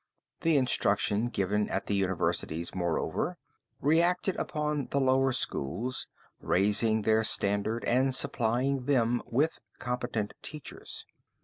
The instruction given at the universities, moreover, reacted upon the lower schools, raising their standard and supplying them with competent teachers.